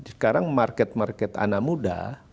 sekarang market market anak muda